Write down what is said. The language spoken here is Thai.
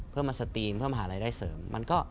เพื่อมาสตีนเพื่อหารายได้เสริม